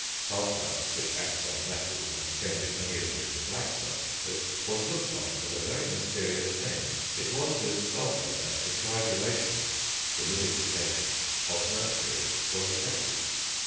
Sulphur, which acts on metals and changes many of them into black substances, was looked on as a very mysterious thing. It was with sulphur that the coagulation (solidification) of mercury was effected.